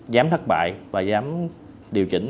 dám thất bại và dám điều chỉnh